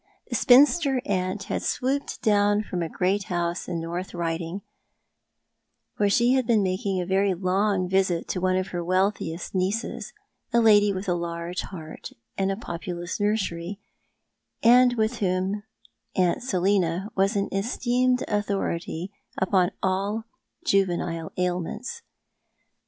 The spinster aunt had swooped down from a great house in the North Piiding, where she had been making a very long visit to one of her wealthiest nieces, a lady with a large heart and a populous nursery, and with whom Aunt Selina was an esteemed authority upon all juvenile ailments.